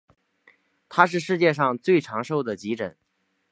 它是世界上最长寿的急诊。